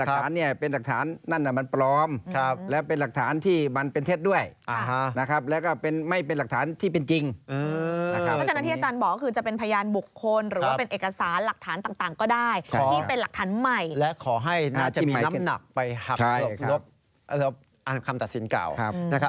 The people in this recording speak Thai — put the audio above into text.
ที่เป็นหลักฐานใหม่และขอให้น่าจะมีน้ำหนักไปหักลบอันคำตัดสินเก่านะครับ